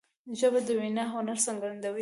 ژبه د وینا هنر څرګندوي